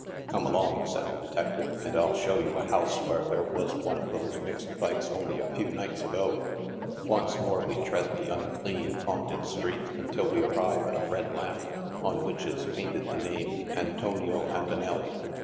'; Come along," said the detective, " and ill show you a bouse where there was one of those mixed fights only a few nights ago." Once more we tread the unclean, haunted street, until wo arrive at a red lamp, on which is painted the name Antonio Antonelii.